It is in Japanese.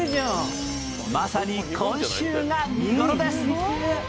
まさに今週が見頃です。